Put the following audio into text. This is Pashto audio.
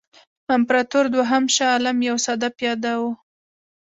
امپراطور دوهم شاه عالم یو ساده پیاده وو.